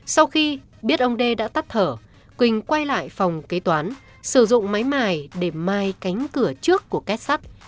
sau khi biết ông đê đã tắt thở quỳnh quay lại phòng kế toán sử dụng máy mài để mai cánh cửa trước của kết sắt